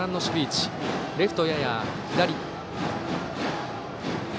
レフトは、やや左。